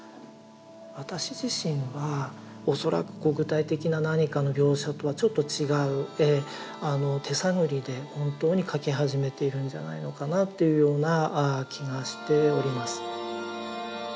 私自身は恐らく具体的な何かの描写とはちょっと違う手探りで本当に描き始めているんじゃないのかなっていうような気がしております。